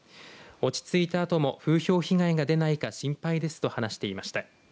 落ち着いたあとも風評被害が出ないか心配ですと話していました。